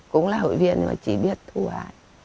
cũng là hội viên mà chỉ biết thu hái